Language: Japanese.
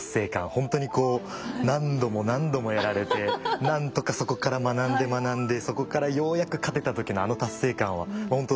ほんとにこう何度も何度もやられて何とかそこから学んで学んでそこからようやく勝てた時のあの達成感はもうほんと